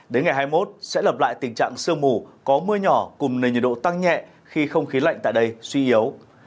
đến ngày hai mươi một sẽ lập lại tình trạng sương mù có mưa nhỏ cùng nền nhiệt độ tăng nhẹ khi không khí lạnh tại đây suy yếu